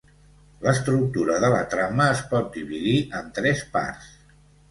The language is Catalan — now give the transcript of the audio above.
L'estructura de la trama es pot dividir en tres parts.